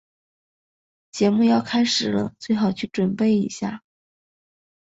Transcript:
节目要开始了，最好去准备一下。